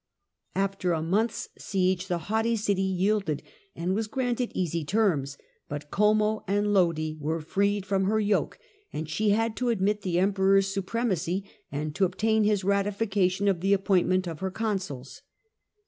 After a month's First siege the haughty city yielded, and was granted easy surrender terms, but Como and Lodi were freed from her yoke, °^^^^^^ and she had to admit the Emperor's supremacy, and to obtain his ratification of the appointment of her consuls.